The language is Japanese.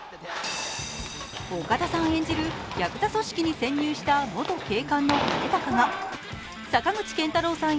岡田さん演じるやくざ組織に潜入した元警官の兼高が坂口健太郎さん